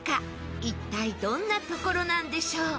一体どんな所なんでしょう？